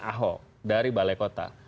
ahok dari balai kota